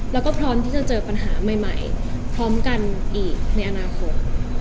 แล้วก็พร้อมที่จะเจอปัญหาใหม่พร้อมกันอีกในอนาคต